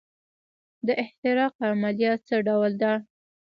د احتراق عملیه څه ډول ده.